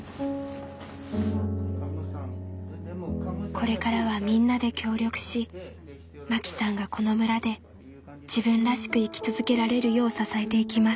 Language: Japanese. これからはみんなで協力しマキさんがこの村で自分らしく生き続けられるよう支えていきます。